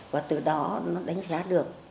và từ đó nó đánh giá được